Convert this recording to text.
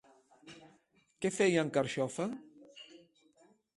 Què feia en Carxofa?